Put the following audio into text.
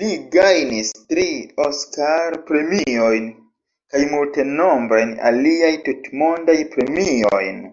Li gajnis tri Oskar-premiojn kaj multenombrajn aliaj tutmondaj premiojn.